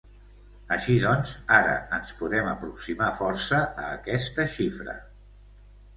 Així doncs, ara ens podem aproximar força a aquesta xifra.